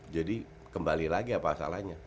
jadi kembali lagi apa salahnya